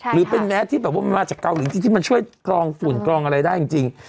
หรือเป็นแมสที่แบบว่ามันมาจากเกาหลีจริงที่มันช่วยกรองฝุ่นกรองอะไรได้จริง